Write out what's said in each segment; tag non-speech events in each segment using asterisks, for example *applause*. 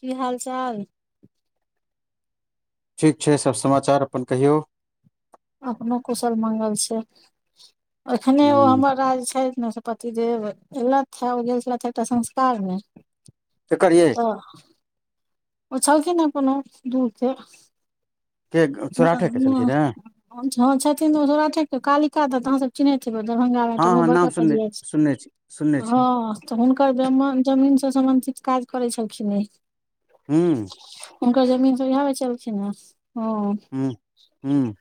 कि हाल- चाल। ठिक छै सब समाचार अपन कहियौ। अपनो कुशल मंगल छै, एखनो ओ ह हमर राहै छै औनऽ से पति देव एलैथ हे, ओ गेल छलैथ हेँ एकटा संस्कार मे। केकर यै। हाँ। ओछलखिन हेँ कोनो दूर के के सौराठे के छलखिन हे मामा। छथिन ओ सौराठे के कालिका दत, आहां सब चिनहैथ हेबै दरभंगा में एकटा हँ तऽ बहुत हँ नाम बड़का सुनने पंजीयार सुनने छी सुनने छथिन छियनि हाँ। तऽ हुनकर दमन -जमीन से सम्बंधित काज करै छलखिन इ। हूँ। हुनकर जमीन सब यैह बेचलखिन हेँ, हाँ। हू- हूँ।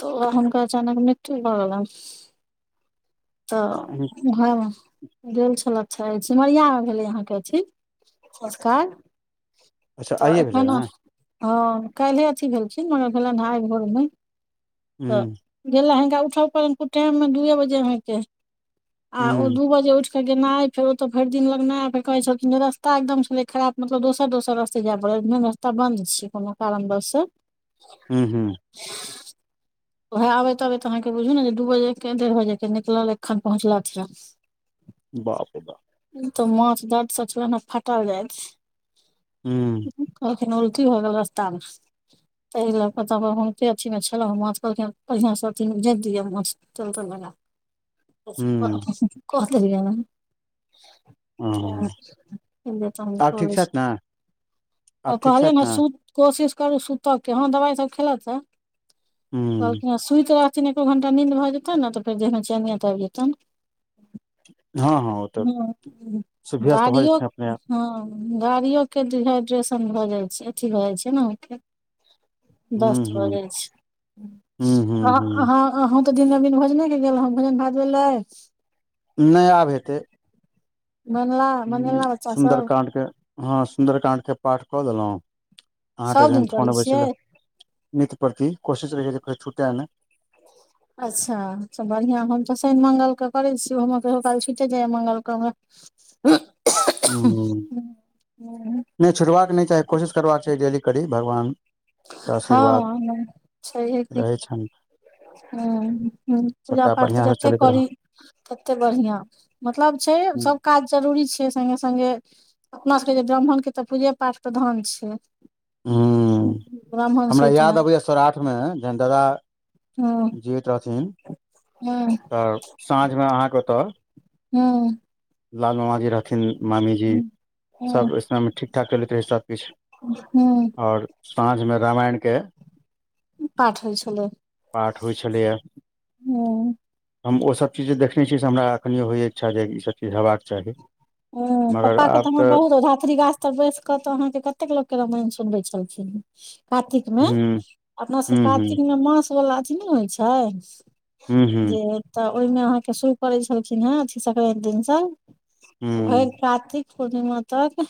तऽ ओ हुनकर अचानक मृत्यु भऽ गेलनि हूँ तऽ हाँ गेल छलैथ हेँ, सिमरिया में भेलै अहाँके अथि संस्कार। अच्छा तऽ आइए भेलै एखन ने हाँ, काइले अथी भेलखिन मगर भेलैन आइ भोर में। तऽ हूँ गेला हिनका उठल पड़लैन कुटाइममे दुए बजे अहाँके। आ ओ हूँ दू बजे उइठ फेर गेनाइ फेर ओतऽ भैर दिन लगनाइ, कहै छलखिन रस्ता एकदम छलै खराब मतलब दोसर त दोसर रास्ते जाए पड़ै, रास्ता बन्द छै कोनो कारण बस। हूँ -हूँ। उएह आबैत - आबैतऽ अहाँके बुझू ने जे, दू बजे के डेढ़ बजे के निकल एखन पहुचलथि हेँ। *inaudible* बापे रे बा तऽ माँछ दर्दसँ छलैन हे फाटल जाइत। हूँ। कहखिन उल्टी भऽ गेल रस्ता में, तहि लकऽ तऽ हुनके अथी मे छलौ हे कहलखिन कनि बढ़िआँसँ जइत दिअ तेल-तेल लगा हूँ के। कऽ देलयैन। हँ हाँ तनिदेर काम आब क ठीक लै छी, छथि ने आब ठीक कहलियैन छथि हे ने सुत कोशिश करू सुतऽ के, हाँ दबाई सब खेलथि हेँ। हूँ कहलखिन हाँ सुइत रहथिन एको घण्टा निन्द भऽ जेतैन ने, तऽ फेर देहमे चैनियत आबि जेतैन। हँ हँ ओ तऽ सुभ्यस्त भऽ गाड़ियो। जेथिन अपने आप हाँ गाड़ियो के डिहाइड्रेशन भऽ जाइ छै, अथी भऽ जाइ छै न अहाँके हूँ दस्त हूँ भगेल छै। हूँ हूँ अहं हूँ अहाँ अहूँ तऽ दिन मे दिन भोजने के गे, भोजन भात भेलैय। नै आब हेतै। भनला। सुंदरकांड के, हाँ सुंन्दरकाण्ड के पाठ कऽ लेलहुँ? अहाँके सब जहन दिन फोन करै अबै छियै छलै, नित प्रति कोशिश रहेए जे छुटे नै। *inaudible* अच्छा तऽ बढ़िआँ हम तऽ शइन मंगलकेँ करै छी हमरा कहियो काल छुइटे जाइए मंगलक हमरा *inaudible* ह्म्म *inaudible* नहि छुटबाक नहि चाही, कोशिश करबाक चाही डेली करी भगवान के आशीर्वाद हाँ छैये की रहै छनि हाँ हूं पूजा सबटा पाठ तऽ बढ़िआँ से जतेक चलैत रह करि। ते बढ़िया, मतलब छै ह सब काज जरूरी छै संगे संगे अपना सबके जे ब्राह्मण के तऽ पूजे पाठ प्रधान छै। ह्म्म ब्राह्मण हमरा सूतिमे याद अबैया सराठमे जन दादा हुं जियैत रहथिन हुं तऽ साँझ मे अहाँके ओतऽ हुम्म लाल मामाजी रहथिन, मामीजी हूँ हूँ सभ इयमे ठीक ठाक चलैत रहै सभकिछु ह्म्म और साँझमे रामायणके पठ होइ छले, पाठ होइ छलैया ह्म्म हम ओसभ चीज जे देखने छीयै से हमरा एखनिओ होइए इच्छा जे कि ईसभ चीज हेबाक चाही। हम्म मगर पप्पा के आब तऽ हम बहुत धथी गाछ तऽ बैस कतौहाँके कतेक लोक के रामायण सुनबे छलखिन। कार्तिक मे ह अपना ह सभके ह कातिकमे मासवला अथी नहि होइ छै? ह ह जे तऽ ओहिमे अहाँके शुरु करै छलखिन ह, अथी संक्रानंति दिन सब तऽ भेल हुं कारातिक पूर्णिमा तक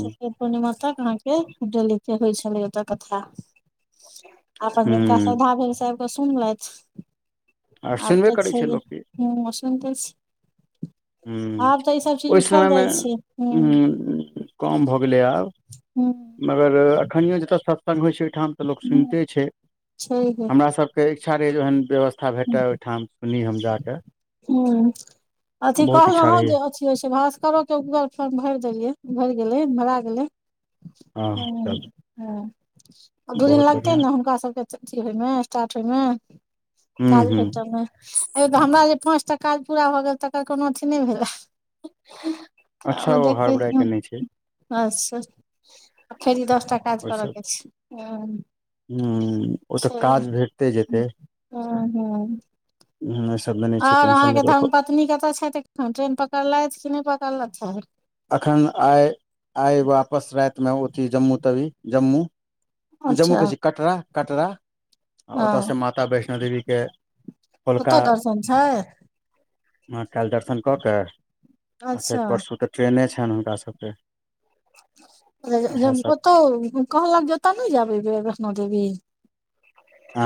श पूर्णिमा तक अह केडल के होइ छलै ओत कथा अपन जिनका हुं श्रधा भेल सब त सुनल आर *unintelligible* आब सुनबे त करै छै लोकके ह सुनते ह्म्म, चीज ओहि उठल समयमे जाइ छै हूँ कम भऽ गेलै आब। हूँ मगर अखनियो जतय सत्स्ग होइ छै, ओहिठाम तऽ लोक सुनिते छै। *unintelligible* हमरा सबके के इच्छा रहय जे ओहन व्यवथा भेटे ओहिठाम सुनी हम जाके। ह्म्म अथी बहुत इच्छा कहलहों रहैये जे होइ छै भास्करो के गूगल फोर्म भरि देलियै भरि गेलै भरा गेलै। हँ हुं तब हुं आ दू बहुत दिन लगतै बढ़ियां ने हुनका सभके अथी होयमे स्टार्ट होयमे? हुं कालाज हुं फटमे *unintelligible* तऽ हमरा जे पाँच टा काज पूरा भऽ गेल त का कोनो अथी नहि भेलय। अच्छा हड़बड़ाय के ओ नहि छै *unintelligible* अच्छा, फेर ई दस टा काज करयके छै? हाँ ह्म्म, ओ तऽ काज भेटते जेतै। हँ हँ सब ले नहि छै आओर टेंशन अहाँके लेकिन धर्म ओकर पत्नी कतऽ छथि अखन ट्रेन पकड़लथि कि नहि पकड़लथि हन? एखन आइ आइ वापस रातिमे ओती जम्मू तवी जम्मू। जम्मू अच्छा कहे छी कटरा कटरा। आ हँ ओतयसँ माता वैष्णो देवीके कोलहः का ओतऽ दर्शन छै माँ काल दर्शन कऽ कऽ आ अच्छा फेर परसू तऽ ट्रेने छनि हुनका सभके। ओतऽ कहल जे ओत नहि जैब आईबेर बैष्णो देवी। आ।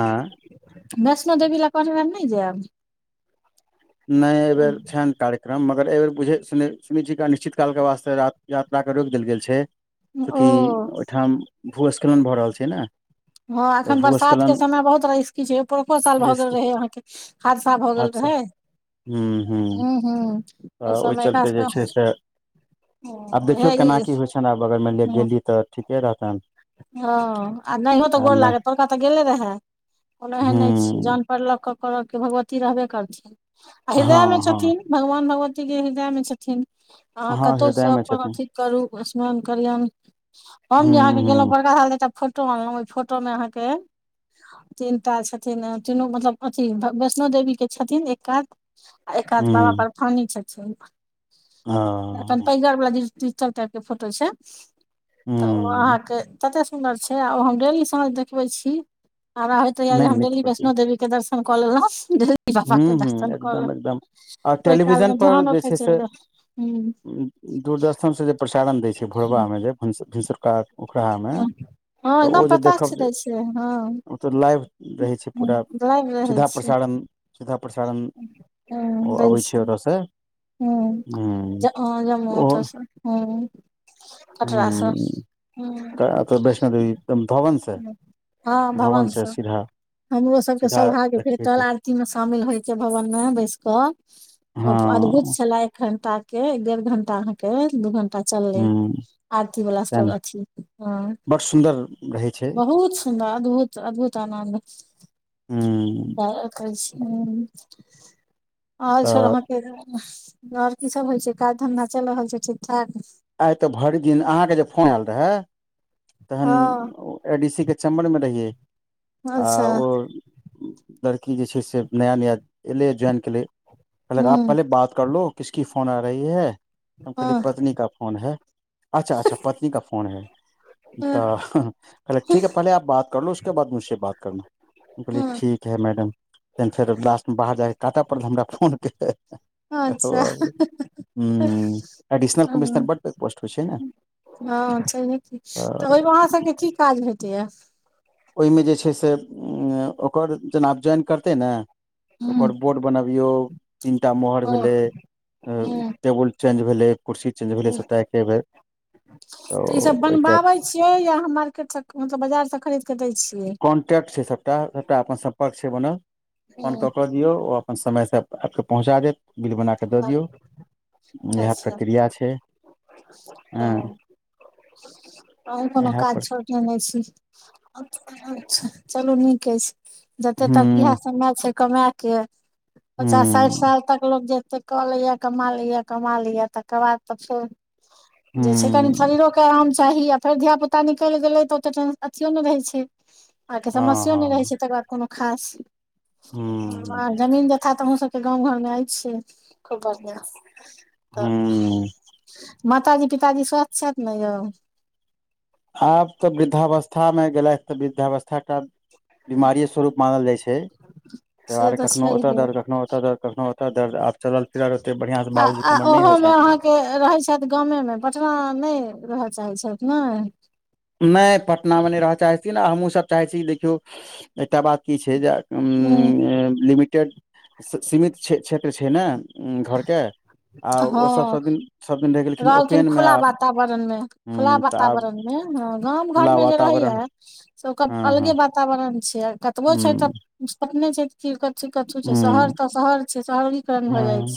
वैष्णो देवी ला कहने रहे नहि जेब। नहि एयबेर छन टार एकम मगर एहि बेर बुझ सु सुनै छी निश्चित कालके वास्ते यात्राक के रोकि देल गेल छै। ओ चूँकि ओहिठाम भूस्खलन भऽ रहल छै ने। हँ तऽ एखन बरसात के भूस्खलन समय बहुत रिस्की छै पोर्को साल भऽ गेल रिस्क रहै अहाँके। हादसा भ गेल रहै। हू, हू,। हँ। तऽ ओहि चलते जे छै से। आब हे देखियौ केना ई- की होइ छनि आब अगर मानिलिय गेली तऽ ठीके रहतनि। हँ आ नहितो तऽ आब गोर नहि लागत पोड़का तऽ गेले रहे कोनो एहन नहि छै हूँ जान पल कर के कर के भगवती रहबे करथिन आ हृदय मे हँ हँ छथिन। भगवान भगवती के हृदय मे छथिन आहा हँ कतौ स हृदय मे अपन छथिन अथि करू स्मरण करियोन हम हुं जे आहा के अथी। गेलों हुं पोरका साल जे एकटा फोटो अनलहुं ओहि फोटो में आहाँ के तीन टा छथिन तीनू मतलब अथी वैष्णो देवीके छथिन एक कात। एकाध बाबा हुं परफानी छथिन अपन हँ पैगर बला द टर टाइप के फोटो छै तऽ ओ हुं अहाँके। तते सुन्दर छै ओ हम डेली साँझ देखबै छी हमरा होइत या जे नहि हम नीक डेली प्रति वैष्णो देवी। दर्शन क लेलो। बाबा हुं के हुं दर्शन कऽ लेलो एकदम एकदम आ ओहि काल टेलीविजन मे पर ध्यान ओते चल ह दूरदर्शनसँ जे प्रसारण दै छै भोरहरबा मे जे भिनसुरका। ओकरामे हँ तऽ ओ एकदम जे प्रकाश देखब जे दै छै हँ ओ त लाइव की कहै छै पूरा लाइव रहै सीधा छै प्रसारण। सीधा प्रसारण हँ ओ दै अबै छै। ओतऽ से ह हुं जम जम ओ तऽस ह। कटरा स हुं ह अतऽ वैष्णो देवी एकदम भवन से ह। हँ भवन से स सीधा हमरो सबके सीधा सोभाग देखबै भेटल छै आर मे शामिल होइ छै भवन में बैस क ओ अद्भुत। हँ एक घंटा के डेढ़ घंटा अह के दू घंटा चललै हुं आरती वला सैह सब न अथ ह बड सुन्दर रहै छै बहुत। अद्भुत अद्भुत आनन्द हूँ आ तऽ छहके *unintelligible* आओर की सब होइ छै काज धंधा चल रहल छै ठीक ठाक? आइ तऽ भरि दिन अहाँके जे फोन आयल रहय तहन। हँ ए डी सी के चमबर मे रहियए आ अच्छा ओ लड़की जे छै से नया नया एले ज्वइन केले कहलक आप हूँ पहले बात करलो। किस क फोन आ रही है हम कहली हँ पतनी का फोन *unintelligible* त कहले हँ *unintelligible* कहलियै हँ ठीक *unintelligible* तन फेर लास्टमे बाहर जा कऽ काटय पड़ल हमरा फोनके। अच्छा हुं एडिशनल हँ कमिशनर बड पैघ पोस्ट होय छैय ने। हँ छैहे की तऽ ओयमे अहाँ सभके की काज भेटैया। ओयमे जे छैय से अं ओकर जेना आब ज्वाइन करतै ने हूँ ओकर बोर्ड बनबियौ तीनटा मोहर हँ भेलै हँ टेबल चेन्ज भेलै, कुर्सी चेन्ज भेलै हँ सबटा एके बेर त ओ तऽ ई सब ओय टाइप बनबाबै छियै यहाँ मार्केट स मतलब बाजार स खरीद सकय छियै। कॉन्टैक्ट छैय सबटा-सबटा अपन सम्पर्क छैय बनल फोन कऽ हँ कऽ दियौ ओ अपन समय से आइबके पहुँचा देत बिल बनाकऽ दऽ दियौ इहे अच्छा प्रक्रिया छ। एँ। तहुं कोनो पर काज छह। *unintelligible* छी चलू नीके अइछ। जते हूँ तक इहे समय छैय कमए के, पचास साइठ हूँ साल तक लोग जे कऽ लैए कमा लैए, कमा लैए तकर बाद त फेर जे छैय कनी हूँ शरीरोके आराम चाही आ फेर धीया पूता निकैल गेलै त ओते टें अथियो नै रहै छैय। आ कि हँ समस्यो नै रहै हँ छैय तकर बाद कोनो खास। हूँ जमीन जथा त अहुँ सब के गाँव घरमे अइछे खूब बढ़ियाँ त हूँ माताजी-पिताजी स्वस्थ छैथ ने यौ। आब त वृद्धावस्थामे गेलैथ त वृद्धावस्था क बीमारिए स्वरूप मानल जाइ छैय। तैय से दुआरे तऽ कखनो ओतऽ छैहे दर्द, कखनो ओतऽ दर्द, कखनो ओतऽ दर्द, आब चलल फिरल ओते बढ़ियाँ स बाबूजी क हमर नै होइ छैन। के रहै छैथ गामे मे, पटना नै रहय चाहै छैथ नय। नै पटनामे नै रहऽ चाहै छथिन आ हमु सब चाहै छी देखियौ एकटा बात की छैय जे हूँ लिमिटेड सीमित क्षेत्र छैय ने घरके आ ओ सब हँ सब दिन सब दिन रहि गेलखिन रहलखिन ओपेन मे खुला आब वातावरणमे, खुला ह तऽ आब वातावरणमे। हँ गाम खुला घरमे जे वातावरण रहैया से ओकर हँ हँ अलगे वातावरण छैय आ ह कतबो छैय त तखने छैय त की कथी कथु छैय, शहर त शहर छैय शहरीकरण ह भए जाय छैय। हँ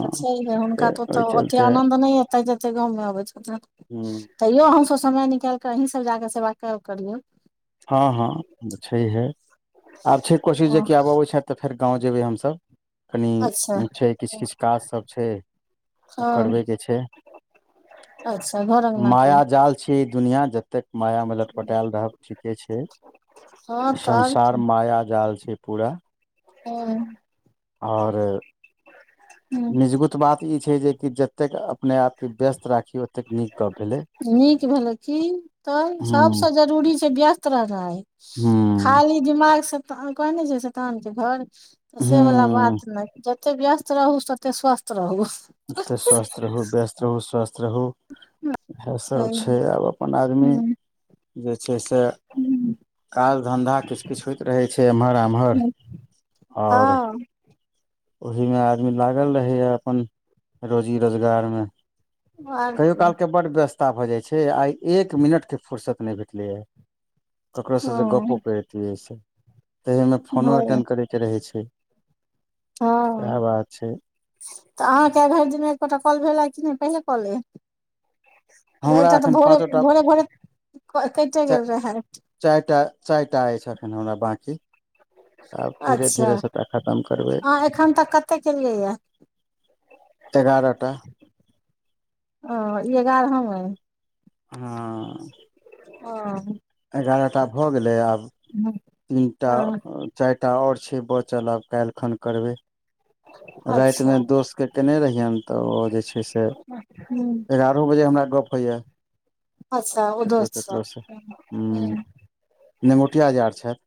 त छैयहे तऽ हुनका त ओतऽ ओहि ओतेक चलते आनन्द नै एतैन ओते जते गाँवमे अबैत हेतैन। ह तैयो अहुँसभ समय निकाइल कऽ अहीं सब जाके सेवा कैल करियौ। हँ- हँ छैहे। आब छैय कोशिश जे कि आब अबैय छैथ त फेर गाँव जेबै हमसभ। अच्छा कनि छैय किछ- किछ काज सब छैय ओ हँ करबैके छैय। अच्छा घर अङ्गनाके। इ दुनियाँ जतेक मायामे लटपटाएल रहब ठीके छैय, हँ तऽ आओर संसार की माया जाल छैय पूरा। हु। और हूँ निजगुत बात इ छैय जे कि ज जतेक अपने आपके व्यस्त राखी ओतेक नीक गप भेलै। नीक भेलै की तऽ सब हूँ स जरूरी छैय व्यस्त रहनाइ। हू। खाली दिमाग सैता कहने छैय सैतान के घर त से बला हूँ बात नै तते व्यस्त रहू, सते स्वस्थ रहु, तते स्वस्थ रहु, व्यस्त रहु, स्वस्थ रहु, इहेसब हँ छै आब अपन आदमी जे छै से काज-धंधा किछ-किछ होइत रहै छै‌ एम्हर आम्हर और हँ ओहिमे आदमी लागल रहैए अपन रोजी रोजगार में आर कहियो की कालके बड्ड व्यस्ता भऽ जाई छै, आई एक मिनटके फुरसत नहि भेटलैए, ककरोसँ जे हँ गप्पो करैतियै से तऽ एहिमे फोनो भऽ अटेंड करयके रहै छै हँ सएह बात छै तऽ अहाँके आई भरि दिन में एको टा कॉल भेलै कि नहि पहिले कॉल अए रइ हमरा एकटा तऽ एखन भोरे, पाँचोटा भोरे-भोरे कटे चा गेल रहै चारि टा चारिटा अएछ अखन हमरा बाकी आब अच्छा धीरे-धीरे सबटा खतम करबै अहाँ एखन तक कते केलियै ये एगारटा ओ ई एगारहम अए हँ ओ एगारटा भऽ गेलै आब तीनटा हँ अ चारि टा और छै बचल आब काल्हि खन करबै अच्छा राइतमे दोशके कयने रहियेन तऽ ओ जे छै से हूँ। एगा नौ बजे हमरा गोप होए यै अच्छा ओ ककरो दोस्त सब ककरोसँ हूं निगोटिया यार छथि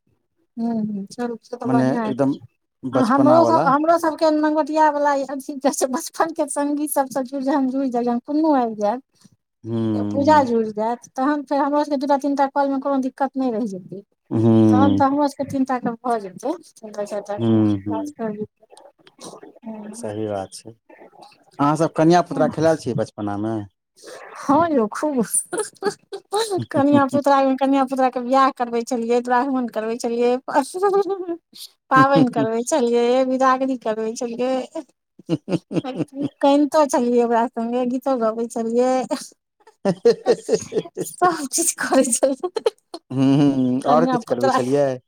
हु हु चलु से तऽ मने बढ़िआ एकदम एइ हमरो बचपना वाला सब हमरो सब नगोटिया बला आब छी जे बचपन के संगी सब स जुर जुड़ जयो कुनो आबि जेब *inaudible* हूं पूजा जुड़ि जैत तहन फेर हमरो सबके दू टा तीन टा कोल मे कोनो दिक्कत नहि रहि जेैते हु तऽ हमर सबके तीन टा कऽ भऽ जेतै तीनटा चारि हूँ हूँ कऽ *unintelligible* सही बात छै अहाँसब कनिया-पुतरा खेलेल छियै बचपनामे हँ यौ खूब कनिया-पुतरा में कनिया-पुतरा के बियाह करबे छलिये दुरागमन करबे छलियै पाबनि करबे छलिये विदागरी करबै छलिये हुहुहुहु कनितो छलियै ओकरा संगे गीतो गबै छलियै सब किछ करै छलिये हूँ आओर किछु करबै कनिया-पुतरा, छलियै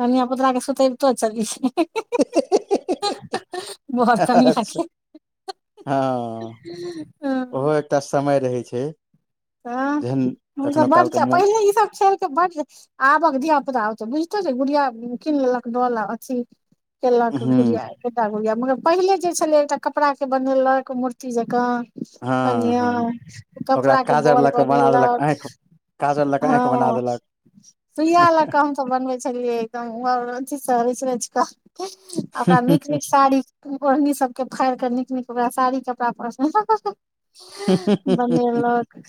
कनिया-पुतरा के सुतैबतो छलिये बर हेहेहेहेहेहे कनिया अच्छा के हँ हँ ओहो एकटा समय रहै छै तँ जेहन हमसब कखनो काल बडके के च मोन पहिनेे ईसब खेल बडु आबक धिया-पुता आब तऽ बुझतै छय गुड़िया किन लेलक डौल आ अथी केलक हूँ गुड़िया एकटा गुड़िया मगर पहिले जे छले एकटा कपड़ा के बनेलक मूर्ति जकाँ हँ कनिया हँ ओकरा कपड़ा के काजर बोर लऽ कऽ बना देलक बनेलक आँखि काजर लऽ कऽ आँखि बना हऽ देलक सुइया लक हम हम बनबै छलियै एकदम सऽ रचि-रचि कऽ आ ओकरा निक-नीक साड़ी ओढ़नी सबके फाड़ि कऽ नीक-नीक ओकरा साड़ी कपड़ा पहि हहह बनेलक।